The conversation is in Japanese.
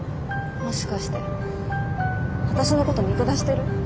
もしかして私のこと見下してる？